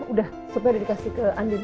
udah sopir dikasih ke andin